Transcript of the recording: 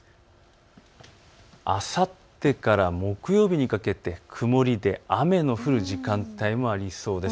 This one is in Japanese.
あさってから木曜日にかけて曇りで雨の降る時間帯もありそうです。